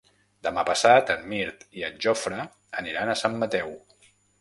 Demà passat en Mirt i en Jofre aniran a Sant Mateu.